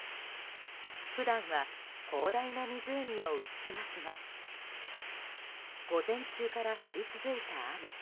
普段は広大な湖を映しますが午前中から降り続いた雨。